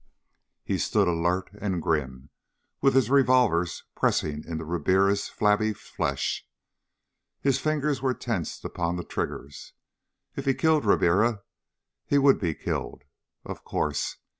He stood alert and grim, with his revolvers pressing into Ribiera's flabby flesh. His fingers were tensed upon the triggers. If he killed Ribiera, he would be killed. Of course.